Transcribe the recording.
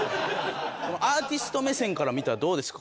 アーティスト目線から見たらどうですか？